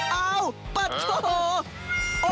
อ้าวปัดโถ้